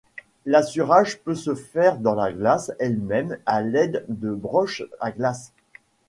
L'assurage peut se faire dans la glace elle-même à l'aide de broches à glace.